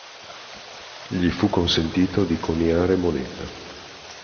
Gli fu consentito di coniare moneta.